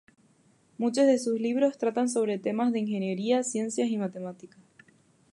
Muchos de sus libros tratan sobre temas de ingeniería, ciencias y matemáticas.